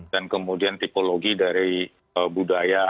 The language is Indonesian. dan kemudian tipologi dari budaya